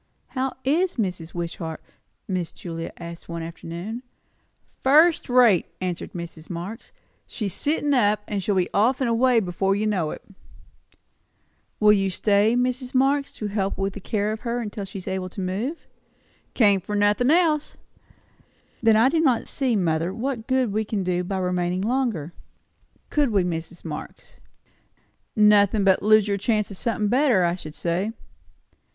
"How is Mrs. Wishart?" Miss Julia asked one afternoon. "First rate," answered Mrs. Marx. "She's sittin' up. She'll be off and away before you know it." "Will you stay, Mrs. Marx, to help in the care of her, till she is able to move?" "Came for nothin' else." "Then I do not see, mother, what good we can do by remaining longer. Could we, Mrs. Marx?" "Nothin', but lose your chance o' somethin' better, I should say."